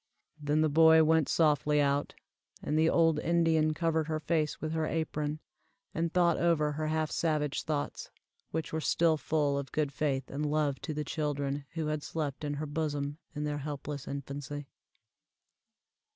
Then the boy went softly out, and the old Indian covered her face with her apron, and thought over her half savage thoughts, which were still full of good faith and love to the children who had slept in her bosom in their helpless infancy.